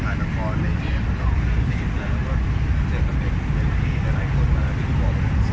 ไม่ต้องรีบไม่ต้องรีบไม่ต้องรีบพอไม่รีบได้นะฮะก็ก็ก็ที่